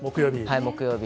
木曜日。